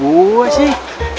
lah kok gua sih